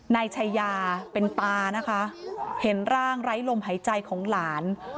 นายชายาเป็นตานะคะเห็นร่างไร้ลมหายใจของหลาน